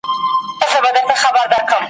ورځي مو ورکي له ګلونو له یارانو سره ,